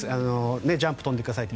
ジャンプ跳んでくださいって。